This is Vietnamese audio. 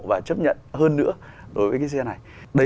và chấp nhận hơn nữa đối với chiếc xe này